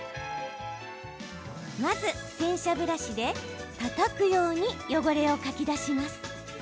まず、洗車ブラシでたたくように汚れをかき出します。